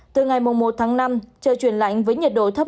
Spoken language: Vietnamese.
từ ngày một tháng năm trời chuyển lạnh với nhiệt độ thấp